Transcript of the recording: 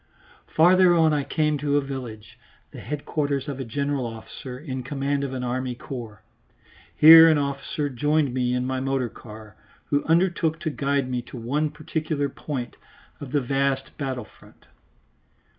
Farther on I came to a village, the headquarters of a general officer in command of an army corps. Here an officer joined me in my motor car, who undertook to guide me to one particular point of the vast battle front.